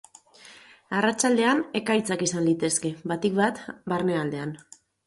Arratsaldean ekaitzak izan litezke, batik bat barnealdean.